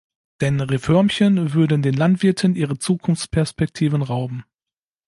Denn Reförmchen würden den Landwirten ihre Zukunftsperspektiven rauben.